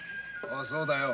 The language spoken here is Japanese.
そうだよ。